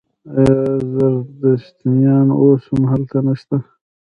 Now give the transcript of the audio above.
آیا زردشتیان اوس هم هلته نشته؟